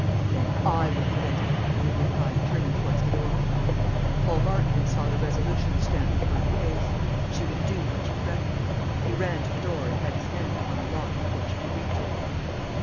"Then I will prevent it!" Olivia cried, turning towards the door. Paul Marchmont saw the resolution stamped upon her face. She would do what she threatened. He ran to the door and had his hand upon the lock before she could reach it.